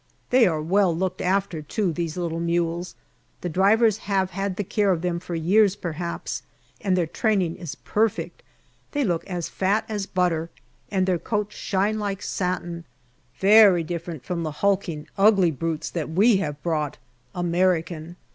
They are well looked after, too, these little mules the drivers have had the care of them for years, perhaps and their training is perfect. They look as fat as butter, and their coats shine like satin very different from the hulk ing, ugly brutes that we have brought American.